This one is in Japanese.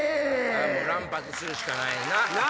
もう乱発するしかないねんな。